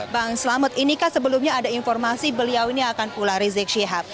bang selamat inikah sebelumnya ada informasi beliau ini akan pulang rizik sihab